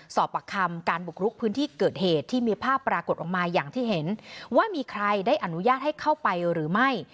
สอบปากคำการบุกรุกพื้นที่เกิดเหตุที่มีภาพปรากฏออกมาอย่างที่เห็นว่ามีใครได้อนุญาตให้เข้าไปหรือไม่